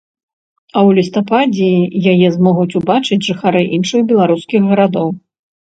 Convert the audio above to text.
А ў лістападзе яе змогуць убачыць жыхары іншых беларускіх гарадоў.